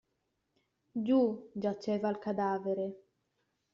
Giù, giaceva il cadavere.